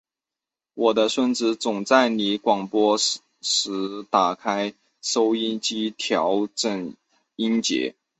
我的孙子总在你广播时打开收音机调整音节。